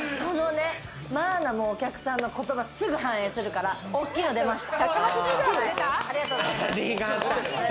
マーナもお客さんの言葉をすぐ反映するから、大きいのでました。